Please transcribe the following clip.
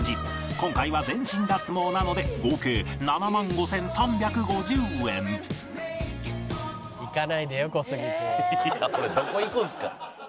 今回は全身脱毛なので合計７万５３５０円いや俺どこいくんすか？